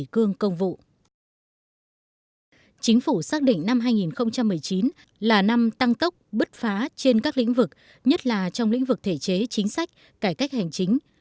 chính phủ xác định năm hai nghìn một mươi chín là năm tăng tốc bứt phá trên các lĩnh vực nhất là trong lĩnh vực thể chế chính sách cải cách hành chính